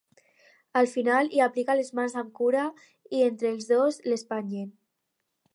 Al final hi aplica les mans amb cura i entre els dos l'espanyen.